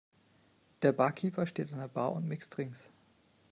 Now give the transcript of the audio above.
Der Barkeeper steht an der Bar und mixt Drinks.